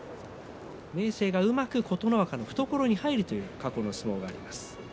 明生がうまく琴ノ若の懐に入るという過去の相撲になります。